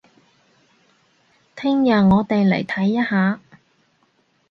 聽日我哋嚟睇一下